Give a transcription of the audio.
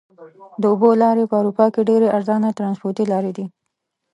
د اوبو لارې په اروپا کې ډېرې ارزانه ترانسپورتي لارې دي.